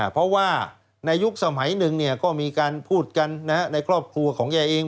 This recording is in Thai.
เพราะว่าในยุคสมัยหนึ่งก็มีการพูดกันในครอบครัวของแกเอง